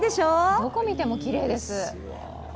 どこ見てもきれいです。